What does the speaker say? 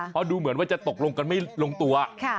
เพราะดูเหมือนว่าจะตกลงกันไม่ลงตัว